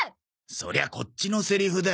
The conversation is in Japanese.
そりゃこっちのセリフだ。